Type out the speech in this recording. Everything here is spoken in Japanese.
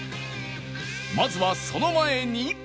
まずはその前に